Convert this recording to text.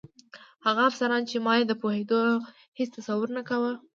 هغه افسران چې ما یې د پوهېدو هېڅ تصور نه کاوه.